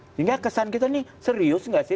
sehingga kesan kita nih serius gak sih